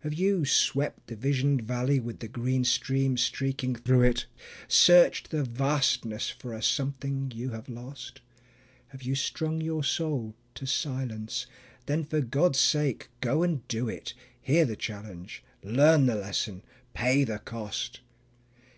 Have you swept the visioned valley with the green stream streaking through it, Searched the Vastness for a something you have lost? Have you strung your soul to silence? Then for God's sake go and do it; Hear the challenge, learn the lesson, pay the cost.